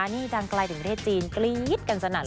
นี่ดังไกลถึงประเทศจีนกรี๊ดกันสนั่น